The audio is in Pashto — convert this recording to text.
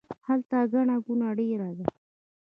هلته ګڼه ګوڼه ډیره ده